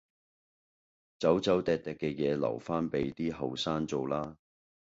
走走糴糴嘅嘢留返俾啲後生做啦